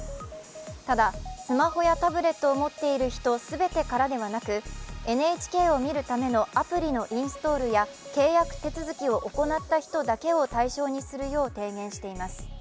ただ、スマホやタブレットを持っている人全てからではなくＮＨＫを見るためのアプリのインストールや契約手続きを行った人だけを対象にするよう提言しています。